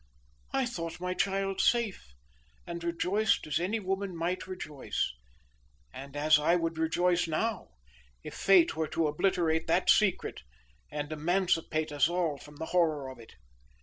I thought my child safe, and rejoiced as any woman might rejoice, and as I would rejoice now, if Fate were to obliterate that secret and emancipate us all from the horror of it."